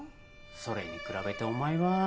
それに比べてお前は